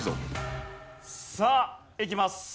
さあいきます。